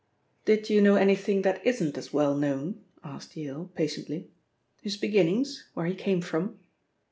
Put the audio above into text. "Did you know anything that isn't as well known?" asked Yale patiently. "His beginnings, where he came from?"